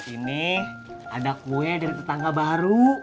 ini ada kue dari tetangga baru